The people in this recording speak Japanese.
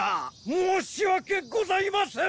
申し訳ございません！